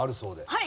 はい。